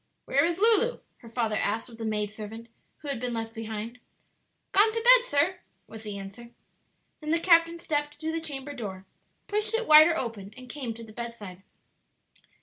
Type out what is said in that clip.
"Where is Lulu?" her father asked of the maid servant who had been left behind. "Gone to bed, sir," was the answer. Then the captain stepped to the chamber door, pushed it wider open, and came to the bedside.